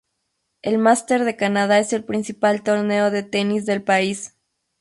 El Masters de Canadá es el principal torneo de tenis del país.